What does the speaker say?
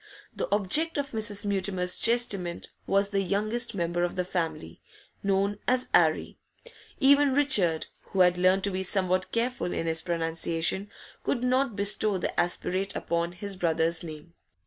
The object of Mrs. Mutimer's chastisement was the youngest member of the family, known as 'Arry; even Richard, who had learnt to be somewhat careful in his pronunciation, could not bestow the aspirate upon his brother's name.